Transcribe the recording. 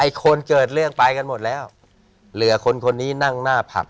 คนเกิดเรื่องไปกันหมดแล้วเหลือคนคนนี้นั่งหน้าผับ